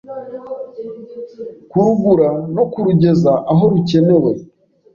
kurugura no kurugeza aho rukenewe.